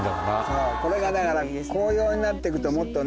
そうこれがだから紅葉になってくともっとね。